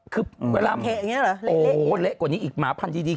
คือเวลาโอ้โหเละกว่านี้อีกหมาพันธุ์ดี